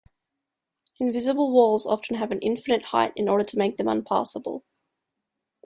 Invisible walls often have an infinite height in order to make them unpassable.